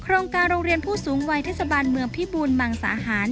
โรงการโรงเรียนผู้สูงวัยเทศบาลเมืองพิบูรมังสาหาร